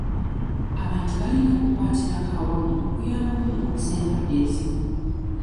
Abantu balina okukwatira awamu okuyambako mu kulwanyisa endwadde ezimu.